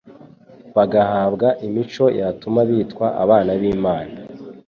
bagahabwa imico yatuma bitwa abana b'Imana